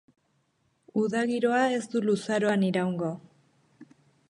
Uda giroa ez du luzaroan iraungo.